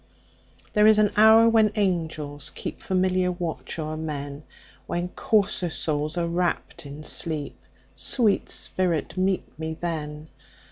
There is an hour when angels keepFamiliar watch o'er men, When coarser souls are wrapp'd in sleep—Sweet spirit, meet me then!